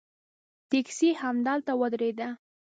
ټیکسي همدلته ودرېده.